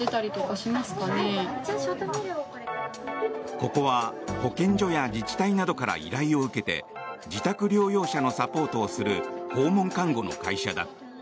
ここは、保健所や自治体などから依頼を受けて自宅療養者のサポートをする訪問看護の会社だ。